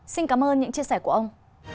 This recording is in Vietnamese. xin cảm ơn những chia sẻ của ông